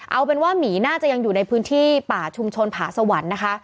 เอาเป็นว่าหมีน่าจะยังอยู่ในพื้นที่ป่าชุมชนผาสวรรค์นะคะ